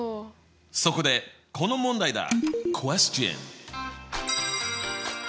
そこでこの問題だ。